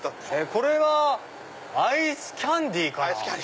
これはアイスキャンデーかな。